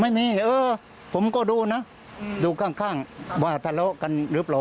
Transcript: ไม่มีเออผมก็ดูนะดูข้างว่าทะเลาะกันหรือเปล่า